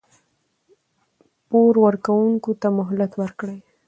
پور ورکوونکي ته مهلت ورکړئ.